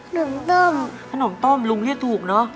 หนึ่งต้มขนมต้มลุงเรียกถูกเนอะ